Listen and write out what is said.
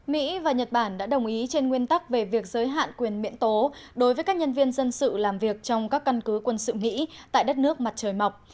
mỹ và nhật bản đã đồng ý trên nguyên tắc về việc giới hạn quyền miễn tố đối với các nhân viên dân sự làm việc trong các căn cứ quân sự mỹ tại đất nước mặt trời mọc